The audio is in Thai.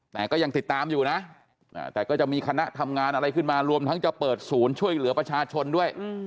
แต่ก็ยังติดตามอยู่นะแต่ก็จะมีคณะทำงานอะไรขึ้นมารวมทั้งจะเปิดศูนย์ช่วยเหลือประชาชนด้วย